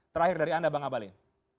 terakhir dari anda bang abalin